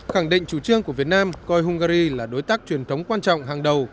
khẳng định chủ trương của việt nam coi hungary là đối tác truyền thống quan trọng hàng đầu